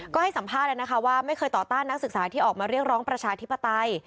ก็ให้สัมภาษณ์แล้วนะคะว่าไม่เคยต่อต้านนักศึกษาที่ออกมาเรียกร้องประชาธิปไตย